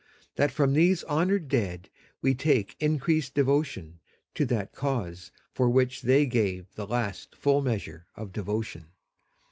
. .that from these honored dead we take increased devotion to that cause for which they gave the last full measure of devotion.